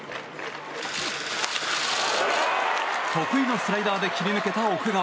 得意のスライダーで切り抜けた奥川。